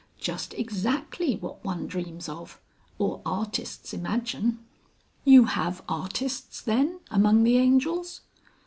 "Just exactly what one dreams of or artists imagine." "You have artists then among the Angels?"